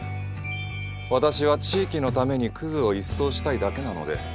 私は地域のためにクズを一掃したいだけなので。